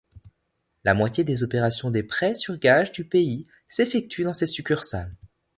La moitié des opérations des prêt sur gage du pays s'effectuent dans ses succursales.